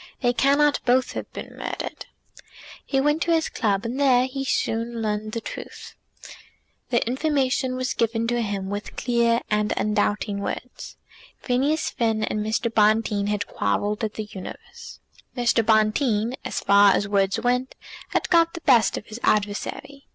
"They cannot both have been murdered." He went to his club, and there he soon learned the truth. The information was given to him with clear and undoubting words. Phineas Finn and Mr. Bonteen had quarrelled at The Universe. Mr. Bonteen, as far as words went, had got the best of his adversary.